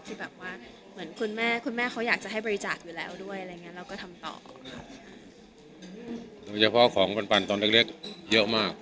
เฉพาะของเปล่าตอนเด็กเยอะมาก